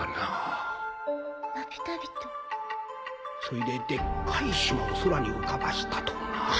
そいででっかい島を空に浮かばしたとな。